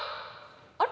あれ。